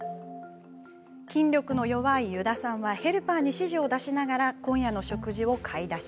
筋力の弱い油田さんはヘルパーに指示を出しながら今夜の食事を買い出し。